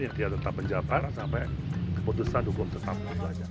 ya tetap menjawabkan sampai keputusan hukum tetap